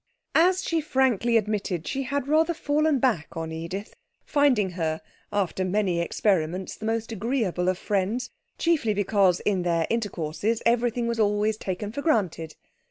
As she frankly admitted, she had rather fallen back on Edith, finding her, after many experiments, the most agreeable of friends, chiefly because in their intercourses everything was always taken for granted.